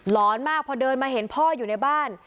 อนมากพอเดินมาเห็นพ่ออยู่ในบ้าน